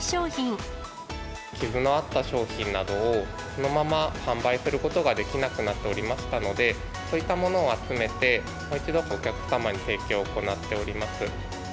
傷のあった商品などを、そのまま販売することができなくなっておりましたので、そういったものを集めて、もう一度お客様に提供を行っております。